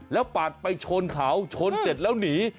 แล้วปัดไปชนเขาชนเสร็จแล้วหนี